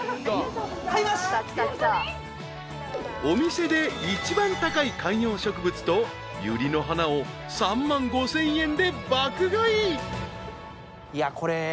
［お店で一番高い観葉植物とユリの花を３万５，０００円で爆買い］